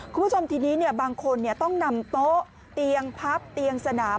คุณผู้ชมทีนี้บางคนต้องนำโต๊ะเตียงพับเตียงสนาม